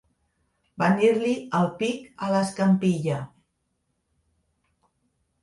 Venir-li el pic a l'escampilla.